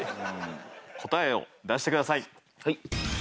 答えを出してください。